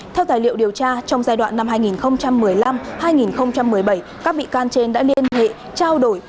theo tài liệu điều tra trong giai đoạn năm hai nghìn một mươi năm hai nghìn một mươi bảy các bị can trên đã liên hệ trao đổi